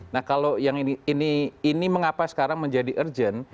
nah kalau yang ini mengapa sekarang menjadi urgent